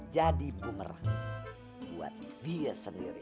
jadi bumerang buat dia sendiri